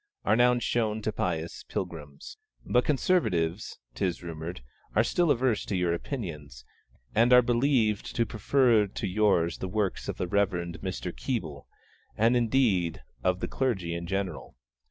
are now shown to pious pilgrims. But Conservatives, 't is rumoured, are still averse to your opinions, and are believed to prefer to yours the works of the Reverend Mr. Keble, and, indeed, of the clergy in general.